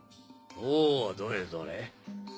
おぉどれどれ。